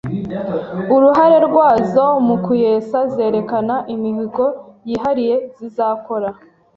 uruhare rwazo mu kuyesa zerekana imihigo yihariye zizakora